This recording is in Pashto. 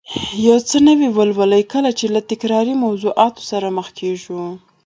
یو څه نوي ولولو، کله چې له تکراري موضوعاتو سره مخ کېږو